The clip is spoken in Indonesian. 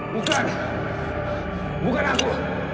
bukan bukan aku